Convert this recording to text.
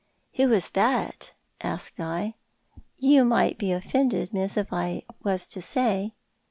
" Who was that ?" asked I. " You might be offended, miss, if I was to say."